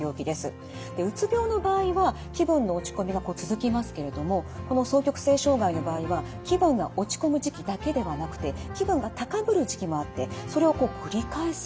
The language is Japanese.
うつ病の場合は気分の落ち込みが続きますけれどもこの双極性障害の場合は気分が落ち込む時期だけではなくて気分が高ぶる時期もあってそれを繰り返すんですよね。